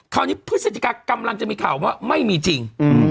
คราวนี้พฤศจิกายณ์กำลังจะมีข่าวว่าไม่มีจริง